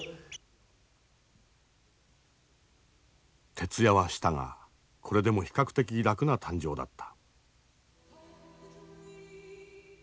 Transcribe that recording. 徹夜はしたがこれでも比較的楽な誕生だった。